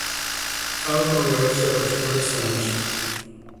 Fale com eles sobre as condições